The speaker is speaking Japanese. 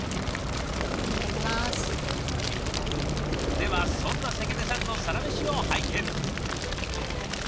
ではそんな関根さんのサラメシを拝見。